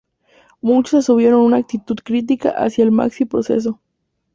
Muchos asumieron una actitud crítica hacia el Maxi Proceso.